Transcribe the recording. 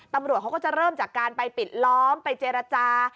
ตำรวจเขาก็จะเริ่มจากการไปปิดล้อมไปเจรจา